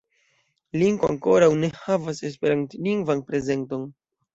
Linko ankoraŭ ne havas esperantlingvan prezenton.